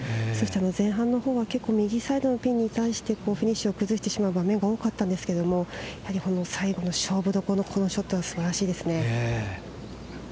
前半の方は右サイドのピンに対してフィニッシュを崩してしまう場面が多かったですが最後の勝負どころのこのショット素晴らしいです。